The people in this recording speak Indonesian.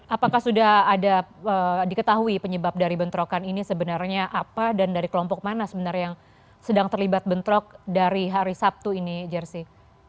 apakah sudah ada diketahui penyebab dari bentrokan ini sebenarnya apa dan dari kelompok mana sebenarnya yang sedang terlibat bentrok dari hari sabtu ini jersey